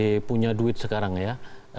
saya punya duit sekarang ya